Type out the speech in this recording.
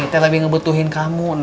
kan nita lebih ngebetuhin kamu neng